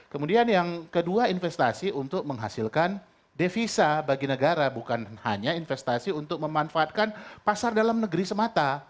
kemudian yang kedua investasi untuk menghasilkan devisa bagi negara bukan hanya investasi untuk memanfaatkan pasar dalam negeri semata